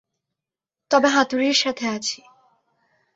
তবে হাতুড়ির সাথে আছি।